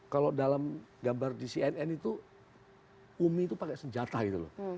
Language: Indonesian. kalau dalam gambar di cnn itu umi itu pakai senjata gitu loh